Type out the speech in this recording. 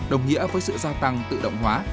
đồng nghĩa với sự gia tăng tự động hóa